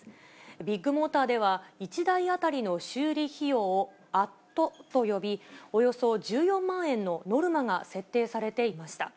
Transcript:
ビッグモーターでは、１台当たりの修理費用を＠と呼び、およそ１４万円のノルマが設定されていました。